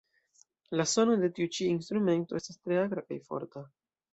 La sono de tiu ĉi instrumento estas tre akra kaj forta.